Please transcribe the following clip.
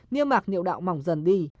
niêm mạc niệu đạo mỏng dần đi